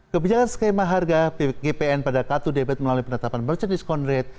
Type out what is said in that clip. kebijakan skema harga ppn pada k dua db melalui penetapan merchant discount rate